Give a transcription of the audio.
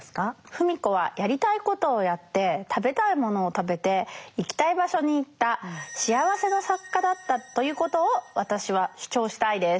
芙美子はやりたいことをやって食べたいものを食べて行きたい場所に行った「幸せな作家」だったということを私は主張したいです。